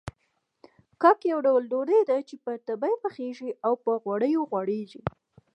کاک يو ډول ډوډۍ ده چې په تبۍ پخېږي او په غوړيو غوړېږي.